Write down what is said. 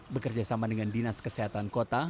bekerjasama dengan dinas kesehatan kota